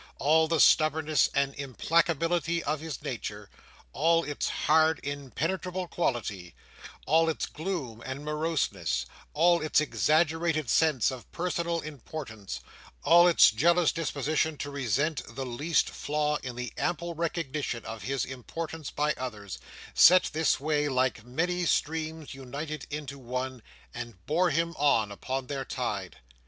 All the stubbornness and implacability of his nature, all its hard impenetrable quality, all its gloom and moroseness, all its exaggerated sense of personal importance, all its jealous disposition to resent the least flaw in the ample recognition of his importance by others, set this way like many streams united into one, and bore him on upon their tide.